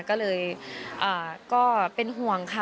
ก็เลยก็เป็นห่วงค่ะ